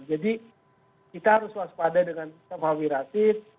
jadi kita harus waspada dengan shafawi rashid